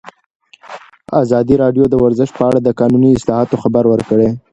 ازادي راډیو د ورزش په اړه د قانوني اصلاحاتو خبر ورکړی.